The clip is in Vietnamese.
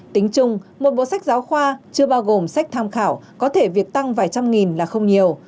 tính chung một bộ sách giáo khoa chưa bao gồm sách tham khảo có thể việc tăng vài trăm nghìn là không nhiều